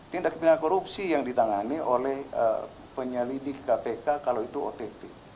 tindak pindah korupsi yang ditangani oleh penyelidik kpk kalau itu ott